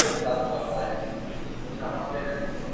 শুধু তা-ই নয়, রান্নার ডেকচি থেকে শুরু করে চুলা পর্যন্ত আলাদা।